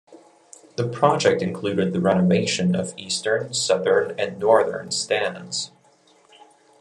The project included the renovation of eastern, southern and northern stands.